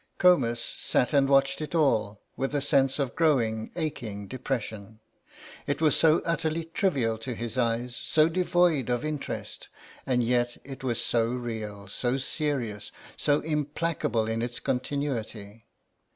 Comus sat and watched it all with a sense of growing aching depression. It was so utterly trivial to his eyes, so devoid of interest, and yet it was so real, so serious, so implacable in its continuity.